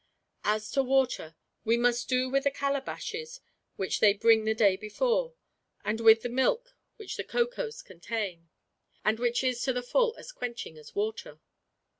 "As to water, we must do with the calabashes which they bring the day before, and with the milk which the cocoas contain, and which is to the full as quenching as water.